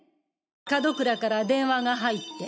門倉から電話が入って。